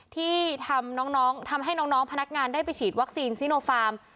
ที่ทำน้องทำให้น้องพนักงานได้ไปฉีดวัคซีนซีโนฟาร์ม